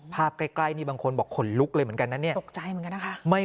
ภาพใกล้ใบบางคนบอกขนลุกเลยเหมือนกันนะเนี่ยตกใจมันไม่